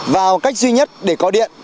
vào cách duy nhất để có điện